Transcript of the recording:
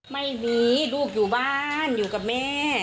ไม่มีลูกอยู่บ้านอยู่กับแม่